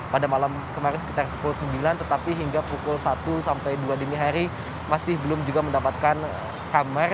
pada malam kemarin sekitar pukul sembilan tetapi hingga pukul satu sampai dua dini hari masih belum juga mendapatkan kamar